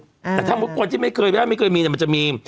อ่าแต่ถ้าเมื่อกว่าที่ไม่เคยได้ไม่เคยมีแต่มันจะมี